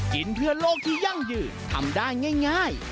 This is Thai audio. กินเพื่อโลกที่ยั่งยืนทำได้ง่าย